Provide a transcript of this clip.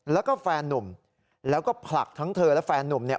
แล้วก็แฟนนุ่มแล้วก็ผลักทั้งเธอและแฟนนุ่มเนี่ย